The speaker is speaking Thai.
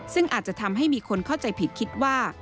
ซึ่งอาจจะทำให้มีคนเข้าใจผิดคิดว่า